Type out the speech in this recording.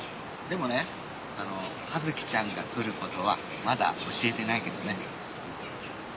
でもねあの葉月ちゃんが来る事はまだ教えてないけどね。